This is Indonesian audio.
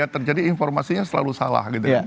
terjadi informasinya selalu salah